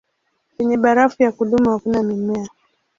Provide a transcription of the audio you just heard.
Penye barafu ya kudumu hakuna mimea.